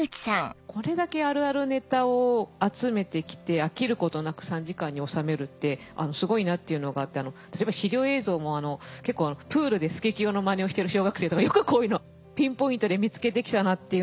これだけあるあるネタを集めてきて飽きることなく３時間に収めるってすごいなっていうのがあって例えば資料映像もプールで佐清のマネをしてる小学生とかよくこういうのピンポイントで見つけてきたなっていうのを。